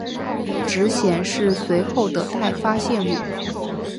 只显示随后的待发线路。